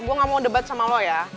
gue gak mau debat sama lo ya